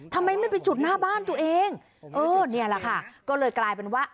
ทำไมไม่ไปจุดหน้าบ้านตัวเองเออนี่แหละค่ะก็เลยกลายเป็นว่า